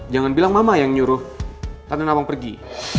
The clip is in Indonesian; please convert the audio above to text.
jangan bilang mama yang nyuruh tandana wang pergi